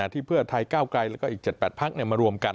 ที่เพื่อไทยก้าวไกลแล้วก็อีก๗๘พักมารวมกัน